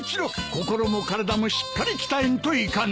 心も体もしっかり鍛えんといかん。